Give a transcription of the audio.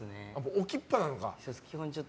置きっぱなんだ。